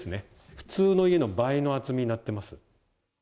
普通の家の倍の厚みになってます。